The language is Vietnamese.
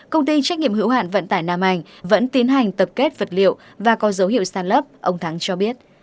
công ty trách nhiệm hữu hạn vận tải nam anh vẫn tiến hành tập kết vật liệu và có dấu hiệu sàn lấp ông thắng cho biết